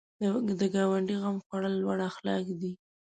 د ګاونډي غم خوړل لوړ اخلاق دي